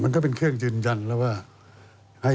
ก็เป็นเครื่องยืนยันแล้วว่า